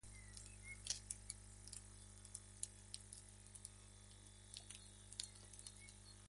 Vial estima que Allende sí tenía la intención de convocar un plebiscito.